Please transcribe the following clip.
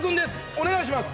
お願いします！